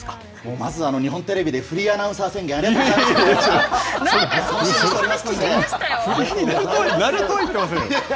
まず、日本テレビで、フリーアナウンサー宣言、ありがとうござなんかそんなお話聞きましたよ。